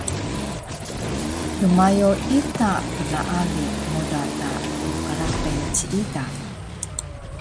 dmayo ita klaali moda ta mqraqil ciida